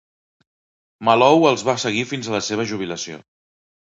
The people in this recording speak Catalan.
Malou els va seguir fins a la seva jubilació.